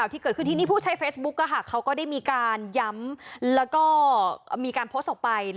ทีนี้ผู้ใช้เฟซบุ๊คอ่ะเขาก็มีน้ำแล้วก็มีการโพสต์ออกไป